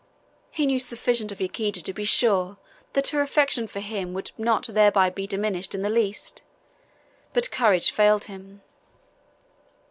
He knew sufficient of Yaquita to be sure that her affection for him would not thereby be diminished in the least. But courage failed him!